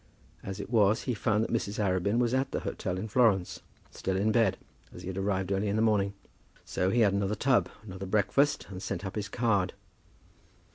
As it was, he found that Mrs. Arabin was at the hotel in Florence, still in bed, as he had arrived early in the morning. So he had another tub, another breakfast, and sent up his card.